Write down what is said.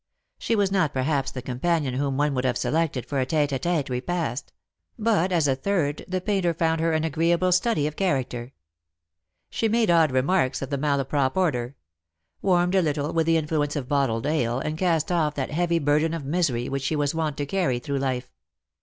She was not perhaps the companion whom one would have selected for a tete a tete repast ; but as a third the painter found her an agreeable study of character. She made odd remarks of the Malaprop order — warmed a little with the influence of bottled ale, and cast off that heavy burden of misery which she was wont to carry through life.